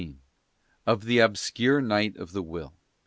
Of the Obscure Night of the Will.